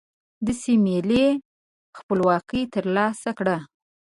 داسې ملي خپلواکي ترلاسه کړه.